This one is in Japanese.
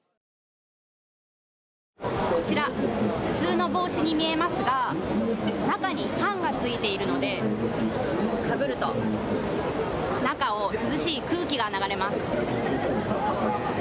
こちら、普通の帽子に見えますが中にファンがついているので中を涼しい空気が流れます。